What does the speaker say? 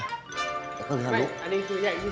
อันนี้คือยายยี่สิทธิ์เต็ม